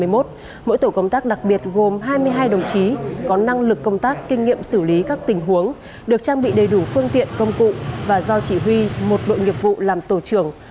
mỗi tổ công tác đặc biệt gồm hai mươi hai đồng chí có năng lực công tác kinh nghiệm xử lý các tình huống được trang bị đầy đủ phương tiện công cụ và do chỉ huy một đội nghiệp vụ làm tổ trưởng